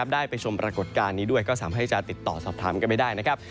ได้ไปชมปรากฏการณ์นี้ด้วยก็สามารถให้จะติดต่อสอบถามกันไม่ได้นะครับ